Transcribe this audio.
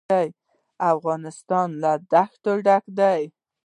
افغانستان له دښتې ډک دی.